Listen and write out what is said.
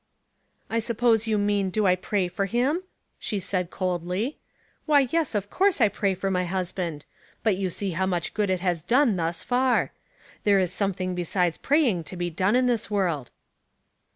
"" 1 suppose you mean do I pray for him ?" she said, coldly. " Why, yes ; of course I pray for my husband ; but you see how much good it has done thus far. There is something besides pray ing to be done in this world."